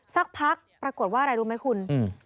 สักพักปรากฏว่าอะไรรู้ไหมคุณ